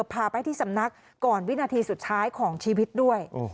พาไปที่สำนักก่อนวินาทีสุดท้ายของชีวิตด้วย